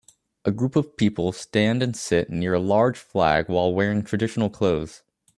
A group of people stand and sit near a large flag while wearing traditional clothes